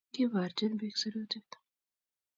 Kiborjin bik Sirutik